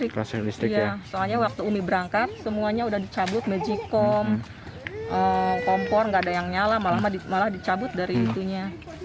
iya soalnya waktu umi berangkat semuanya udah dicabut mejikom kompor nggak ada yang nyala malah dicabut dari itunya